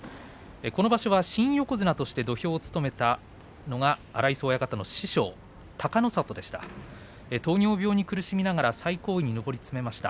この場所は新横綱として土俵を務めたのが荒磯親方の師匠、隆の里でした。